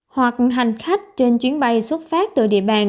hoặc hành khách trên chuyến bay xuất phát từ địa bàn